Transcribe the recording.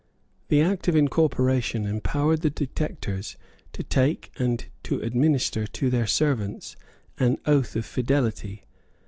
The Act of Incorporation empowered the detectors to take and to administer to their servants an oath of fidelity.